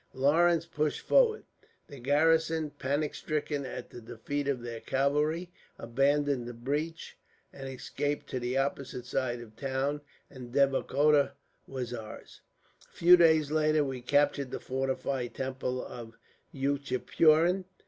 Lawrence pushed forward. The garrison, panic stricken at the defeat of their cavalry, abandoned the breach and escaped to the opposite side of the town, and Devikota was ours. "A few days later we captured the fortified temple of Uchipuran.